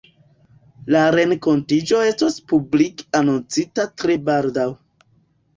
La renkontiĝo estos publike anoncita tre baldaŭ.